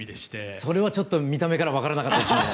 それはちょっと見た目から分からなかったですね。